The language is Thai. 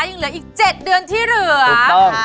ยังเหลืออีกเจ็ดเดือนที่เหลือถูกต้อง